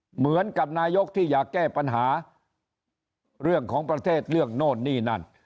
เหมือนกับนายกที่อยากแก้ปัญหาเรื่องของประเทศเรื่องโน่นนี่นั่น